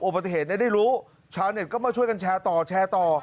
ปฏิเหตุได้รู้ชาวเน็ตก็มาช่วยกันแชร์ต่อแชร์ต่อ